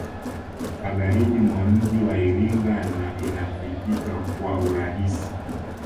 Magharibi mwa mji wa Iringa na inafikika kwa urahisi